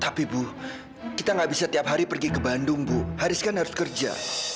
tapi bu kita gak bisa tiap hari pergi ke bandung bu haris kan harus kerja